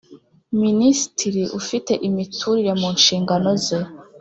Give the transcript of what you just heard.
Minisitiri ufite imiturire mu nshingano ze